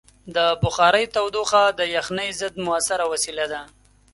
د بخارۍ تودوخه د یخنۍ ضد مؤثره وسیله ده.